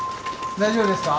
大丈夫ですか？